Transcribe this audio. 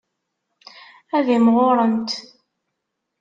Ad imɣurent.